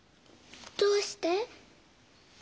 どうして？